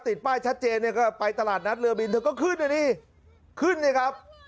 ติดป้ายชัดเจนเนี่ยก็ไปตลาดนัดเรือบินเธอก็ขึ้นนะดิขึ้นเนี่ยครับ